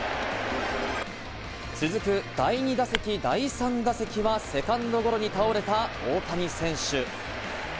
続く第２打席、第３打席はセカンドゴロに倒れた大谷選手。